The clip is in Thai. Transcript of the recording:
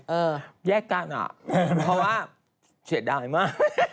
แยกกันอ่ะเพราะว่าเสียดายมาก